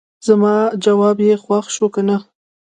زما جواب یې خوښ شو کنه.